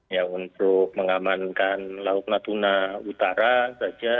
ya untuk mengamankan laut natuna utara saja